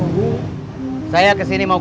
tunggu satu sekotek sekarang